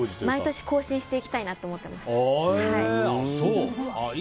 毎年、更新していきたいなと思ってます。